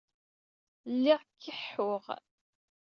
Lliɣ keḥḥuɣ.